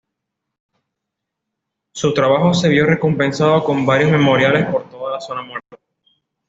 Su trabajo se vio recompensado con varios memoriales por toda la zona muerta.